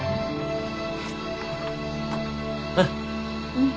うん。